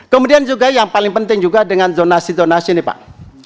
kemudian juga yang paling penting juga dengan zonasi zonasi ini pak